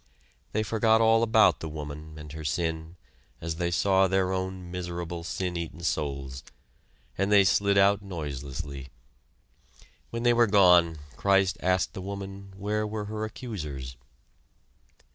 They forgot all about the woman and her sin as they saw their own miserable sin eaten, souls, and they slid out noiselessly. When they were gone Christ asked the woman where were her accusers.